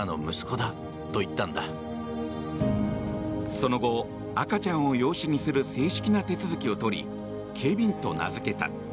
その後、赤ちゃんを養子にする正式な手続きを取りケビンと名付けた。